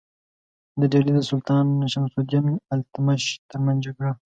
د ډهلي د سلطان شمس الدین التمش ترمنځ جګړه.